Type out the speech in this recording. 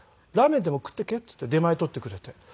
「ラーメンでも食ってけ」って言って出前取ってくれて。